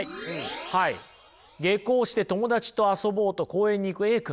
下校して友達と遊ぼうと公園に行くＡ君。